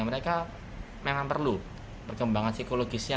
mereka memang perlu perkembangan psikologisnya